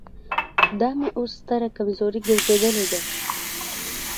دا مې اوس ستره کمزوري ګرځېدلې ده.